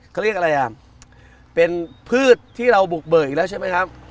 เขาเรียกอะไรอ่ะเป็นพืชที่เราบุกเบิกอีกแล้วใช่ไหมครับ